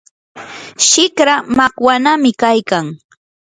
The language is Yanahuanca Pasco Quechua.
shikra makwanami kaykan.